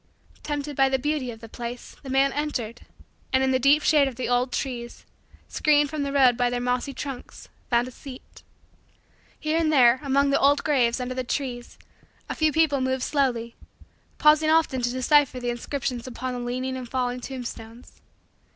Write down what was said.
Tempted by the beauty of the place the man entered, and, in the deep shade of the old trees, screened from the road by their mossy trunks, found a seat. Here and there, among the old graves under the trees, a few people moved slowly; pausing often to decipher the inscriptions upon the leaning and fallen tombstones.